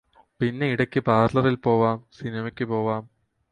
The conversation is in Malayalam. പിന്നെയിടക്ക് പാർലറിൽ പോവാം സിനിമക്ക് പോവാം